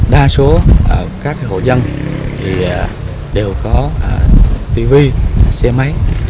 đa số các hộ dân thì đều có tivi xe máy